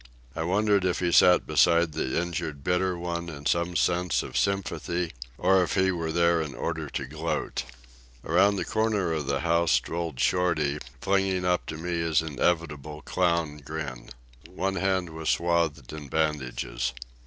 I wondered if he sat beside the injured bitter one in some sense of sympathy, or if he were there in order to gloat. Around the corner of the house strolled Shorty, flinging up to me his inevitable clown grin. One hand was swathed in bandages.